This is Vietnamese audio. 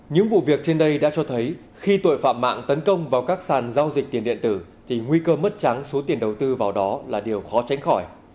những vụ việc trên đây đã cho thấy khi tội phạm mạng tấn công vào các sàn giao dịch tiền điện tử thì nguy cơ mất trắng số tiền đầu tư vào đó là điều khó tránh khỏi